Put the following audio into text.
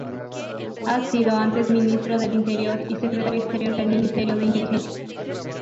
Ha sido antes ministro del Interior y secretario exterior del Ministerio de Inteligencia.